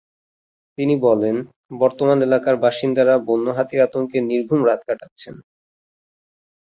তিনি বলেন, বর্তমানে এলাকার বাসিন্দারা বন্য হাতির আতঙ্কে নির্ঘুম রাত কাটাচ্ছেন।